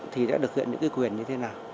thì đã được hiện những quyền như thế nào